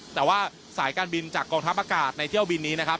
แต่ว่าสายการบินจากกองทัพอากาศในเที่ยวบินนี้นะครับ